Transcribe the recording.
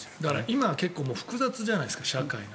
今もう複雑じゃないですか社会が。